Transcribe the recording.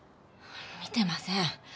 見てません。